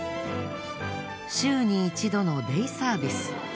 週に一度のデイサービス。